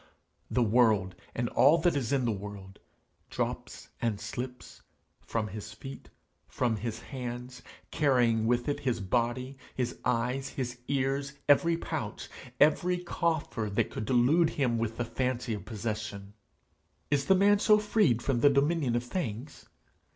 The world, and all that is in the world, drops and slips, from his feet, from his hands, carrying with it his body, his eyes, his ears, every pouch, every coffer, that could delude him with the fancy of possession. 'Is the man so freed from the dominion of things?